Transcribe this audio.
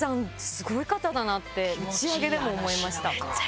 スゴい方だなって打ち上げでも思いました。